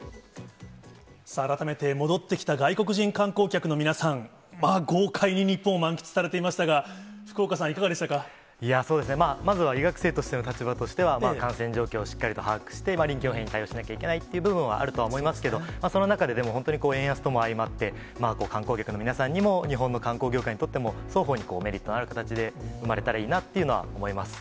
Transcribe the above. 改めて戻ってきた外国人観光客の皆さん、豪快に日本を満喫されていましたが、福岡さん、まずは医学生としての立場としては、感染状況をしっかりと把握して、臨機応変に対応しなきゃいけないという部分はあるとは思いますけど、その中で、でも、本当に円安とも相まって、観光客の皆さんにも、日本の観光業界にとっても、双方にメリットのある形で生まれたらいいなというのは思います。